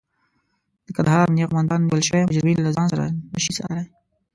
د کندهار امنيه قوماندان نيول شوي مجرمين له ځان سره نشي ساتلای.